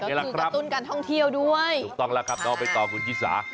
ก็คือกระตุ้นการท่องเที่ยวด้วยถูกต้องแล้วครับน้องใบตองคุณชิสา